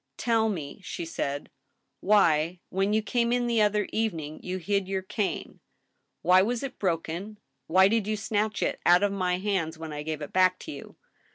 " Tell me," she said, " why, when you came in the other evening, you hid your cane ? Why was it broken ? Why did you snatch it out of my hands when I gave it back to you